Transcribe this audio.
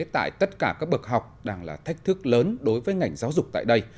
tại tất cả các bậc học đang là thách thức lớn đối với ngành giáo dục tại đây